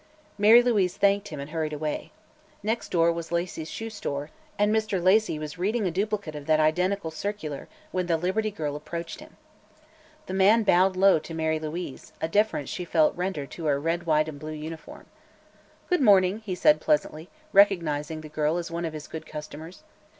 Mary Louise thanked him and hurried away. Next door was Lacey's Shoe Store, and Mr. Lacey was reading a duplicate of that identical circular when the Liberty Girl approached him. The man bowed low to Mary Louise, a deference she felt rendered to her red white and blue uniform. "Good morning!" he said pleasantly, recognizing the girl as one of his good customers.